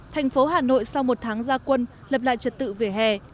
thành phố hà nội sau một tháng gia quân lập lại trật tự vỉa hè